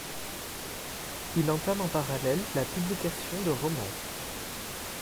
Il entame en parallèle la publication de romans.